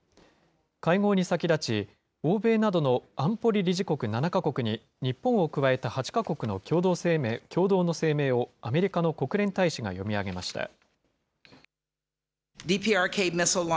会合に先立ち、欧米などの安保理理事国７か国に日本を加えた８か国の共同の声明をアメリカの国連大使が読み上げました。